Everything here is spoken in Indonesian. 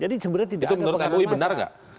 itu menurut mui benar